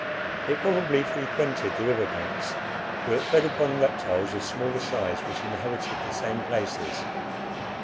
It probably frequented the river banks, where it fed upon reptiles of smaller size which inhabited the same places.